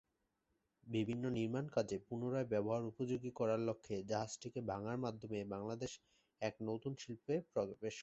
বিভিন্ন নির্মাণ কাজে পুনরায় ব্যবহার উপযোগী করার লক্ষ্যে জাহাজটিকে ভাঙ্গার মাধ্যমে বাংলাদেশ এক নতুন শিল্পে প্রবেশ করে।